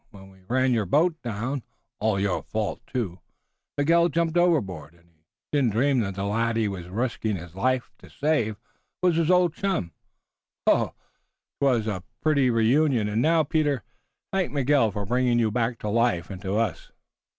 When we ran your boat down, all your own fault, too, Miguel jumped overboard, and he didn't dream that the lad he was risking his life to save was his old chum. Oh, 'twas a pretty reunion! And now, Peter, thank Miguel for bringing you back to life and to us."